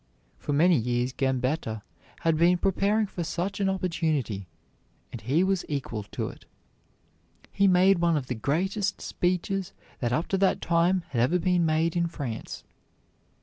For many years Gambetta had been preparing for such an opportunity, and he was equal to it. He made one of the greatest speeches that up to that time had ever been made in France.